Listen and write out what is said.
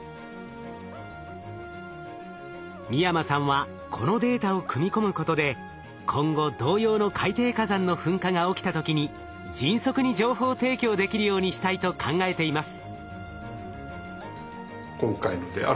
美山さんはこのデータを組み込むことで今後同様の海底火山の噴火が起きた時に迅速に情報提供できるようにしたいと考えています。